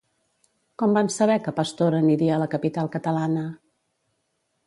Com van saber que Pastor aniria a la capital catalana?